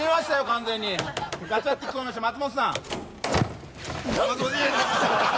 完全にガチャって聞こえました松本さん何ですか？